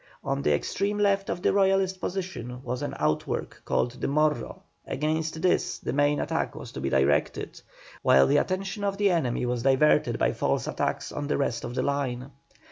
On the extreme left of the Royalist position was an outwork called the Morro, against this the main attack was to be directed, while the attention of the enemy was diverted by false attacks on the rest of the line.